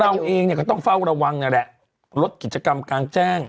เราเองเนี่ยก็ต้องเฝ้าระวังนั่นแหละลดกิจกรรมกลางแจ้ง